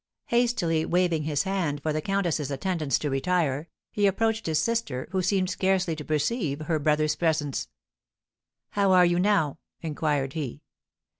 Hastily waving his hand for the countess's attendants to retire, he approached his sister, who seemed scarcely to perceive her brother's presence. "How are you now?" inquired he.